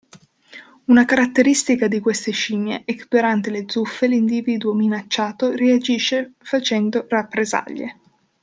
Una caratteristica di queste scimmie è che durante le zuffe l'individuo minacciato reagisce facendo rappresaglie.